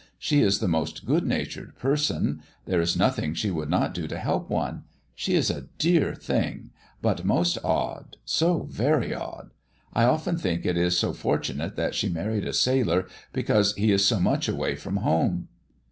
She is the most good natured person; there is nothing she would not do to help one; she is a dear thing, but most odd, so very odd. I often think it is so fortunate that she married a sailor, because he is so much away from home."